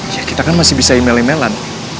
ya kita kan masih bisa email emailan